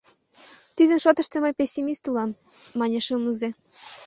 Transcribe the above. — Тидын шотышто мый пессимист улам, — мане шымлызе.